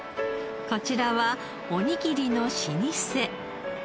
こちらはおにぎりの老舗。